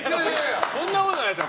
そんなことないですよ